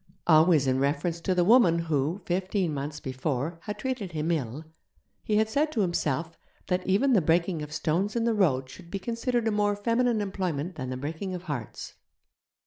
Always in reference to the woman who, fifteen months before, had treated him ill; he had said to himself that even the breaking of stones in the road should be considered a more feminine employment than the breaking of hearts.